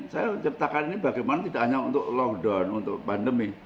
saya ciptakan ini bagaimana tidak hanya untuk lockdown untuk pandemi